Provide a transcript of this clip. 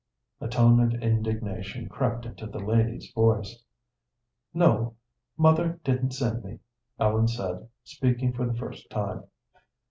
A tone of indignation crept into the lady's voice. "No, mother didn't send me," Ellen said, speaking for the first time.